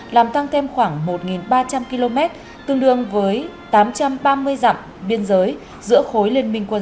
làm tăng thêm khoảng một ba trăm linh km tương đương với tám trăm ba mươi dặm biên giới giữa khối liên minh quân dân